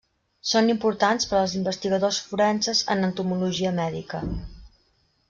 Són importants per als investigadors forenses en entomologia mèdica.